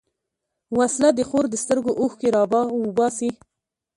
وسله د خور د سترګو اوښکې راوباسي